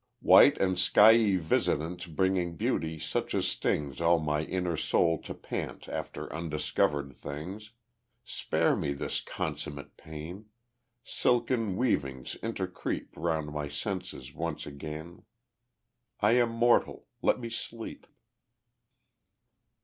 White and skyey visitant, Bringing beauty such as stings All my inner soul to pant After undiscovered things, Spare me this consummate pain! Silken weavings intercreep Round my senses once again, I am mortal let me sleep.